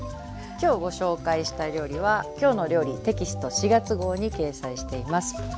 今日ご紹介した料理は「きょうの料理」テキスト４月号に掲載しています。